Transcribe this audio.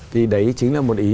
thì đấy chính là một ý